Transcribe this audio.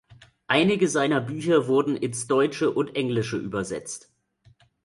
Einige seiner Bücher wurden ins Deutsche und Englische übersetzt.